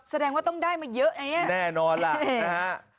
แสดงว่าต้องได้มาเยอะไงอ่ะแน่นอนล่ะนะฮะ